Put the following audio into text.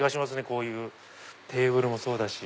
こういうテーブルもそうだし。